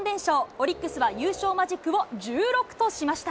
オリックスは優勝マジックを１６としました。